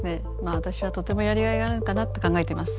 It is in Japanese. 私はとてもやりがいがあるのかなって考えています。